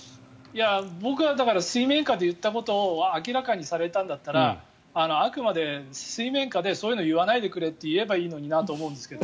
僕は水面下で言ったことを明らかにされたんだったらあくまで水面下でそういうのを言わないでくれって言えばいいのかなと思うんですけど。